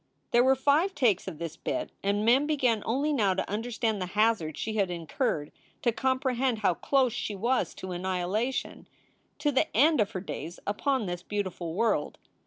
There were five takes of this bit, and Mem began only now to understand the hazard she had incurred, to com prehend how close she was to annihilation, to the end of her days upon this beautiful world.